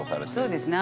そうですね。